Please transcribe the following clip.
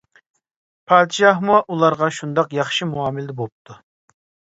پادىشاھمۇ ئۇلارغا شۇنداق ياخشى مۇئامىلىدە بوپتۇ.